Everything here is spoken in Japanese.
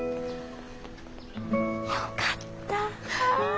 よかった。